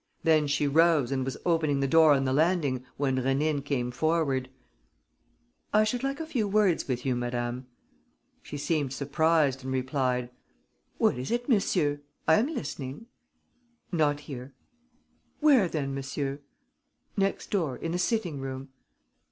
Then she rose and was opening the door on the landing, when Rénine came forward: "I should like a few words with you, madame." She seemed surprised and replied: "What is it, monsieur? I am listening." "Not here." "Where then, monsieur?" "Next door, in the sitting room."